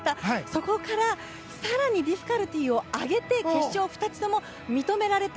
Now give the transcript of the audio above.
そこから更にディフィカルティーを上げて決勝２つとも認められた。